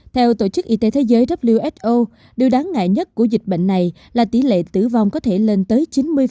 theo tổ chức y tế thế giới who điều đáng ngại nhất của dịch bệnh này là tỷ lệ tử vong có thể lên tới chín mươi